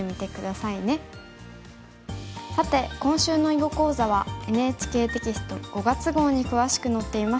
さて今週の囲碁講座はＮＨＫテキスト５月号に詳しく載っています。